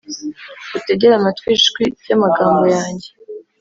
utegere amatwi ijwi ry’amagambo yanjye